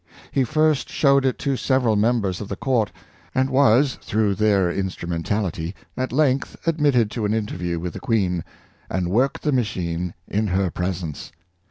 He first showed it to several members of the court, and was, through their instrumentality, at length admitted to an interview with the Queen, and worked the machine in her presence.